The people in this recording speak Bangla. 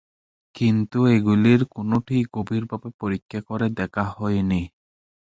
কিন্তু এগুলির কোনওটিই গভীরভাবে পরীক্ষা করে দেখা হয়নি।